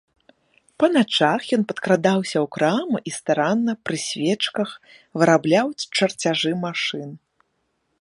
Па начах ён падкрадаўся ў краму і старанна пры свечках вырабляў чарцяжы машын.